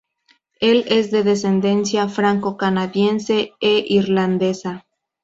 Él es de descendencia franco-canadiense e irlandesa.